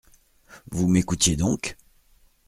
Vous m’écoutiez donc ?